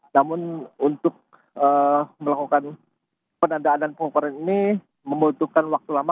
namun untuk melakukan penandaan dan pengukuran ini membutuhkan waktu lama